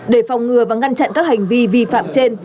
để phòng ngừa và ngăn chặn các hành vi vi phạm trên